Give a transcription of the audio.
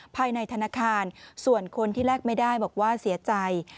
ภายในธนาคารส่วนคนที่แลกไม่ได้บอกว่าเสียใจ